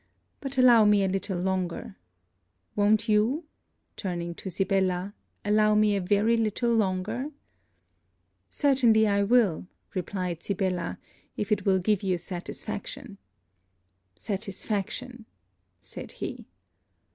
But allow me a little longer: won't you,' turning to Sibella 'allow me a very little longer?' 'Certainly, I will,' replied Sibella; 'if it will give you satisfaction.' 'Satisfaction!' said he.